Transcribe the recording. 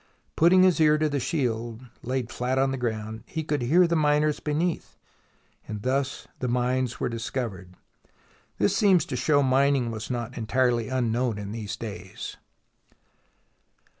Putting his ear to the shield, laid flat on the ground, he could hear the miners be neath, and thus the mines were discovered. This seems to show mining was not entirely unknown in these days.